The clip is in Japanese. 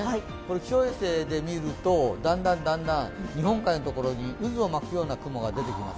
気象衛星で見ると、だんだん日本海のところに渦を巻くような雲が出てきます。